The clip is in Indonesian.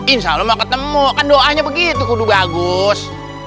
insya allah mau ketemu kan doanya begitu kudu bagus